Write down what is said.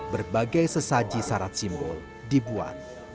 berbagai sesaji syarat simbol dibuat